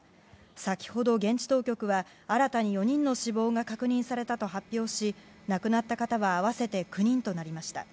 先ほど現地当局は、新たに４人の死亡が確認されたと発表し亡くなった方は合わせて９人となりました。